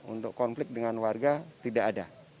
untuk konflik dengan warga tidak ada